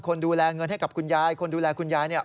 คนดูแลเงินให้กับคุณยายคนดูแลคุณยายเนี่ย